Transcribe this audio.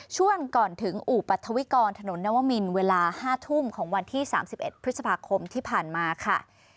ช่วงก่อนถึงอู่ปรัฐวิกรถนนนวมินเวลาห้าทุ่มของวันที่สามสิบเอ็ดพฤษภาคมที่ผ่านมาค่ะ